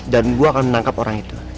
dan gue akan menangkap orang itu